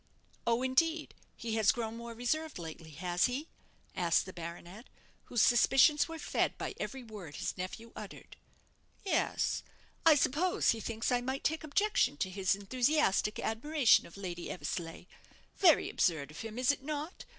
"Oh, indeed. He has grown more reserved lately, has he?" asked the baronet, whose suspicions were fed by every word his nephew uttered. "Yes. I suppose he thinks I might take objection to his enthusiastic admiration of Lady Eversleigh. Very absurd of him, is it not?